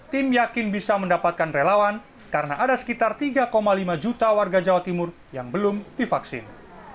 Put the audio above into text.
tim yakin bisa mendapatkan relawan karena ada sekitar tiga lima juta warga jawa timur yang belum divaksin